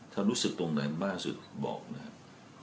ถ้ารู้สึกตรงไหนมากสุดบอกนะครับ